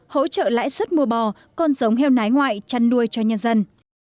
hỗ trợ lãi xuất mua bò con giống heo nái ngoại chăn đuôi cho nhân dân